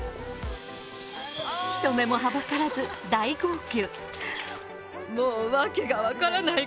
人目もはばからず大号泣。